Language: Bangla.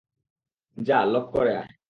যা, লক করে আয়!